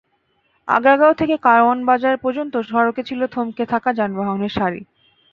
আগারগাঁও থেকে কারওয়ান বাজার পর্যন্ত সড়কে ছিল থমকে থাকা যানবাহনের সারি।